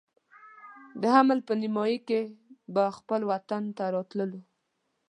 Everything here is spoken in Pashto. د حمل په نیمایي کې به خپل وطن ته راتلو.